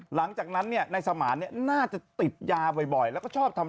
ฮ่าฮ่าฮ่าฮ่าฮ่าฮ่าฮ่าฮ่าฮ่า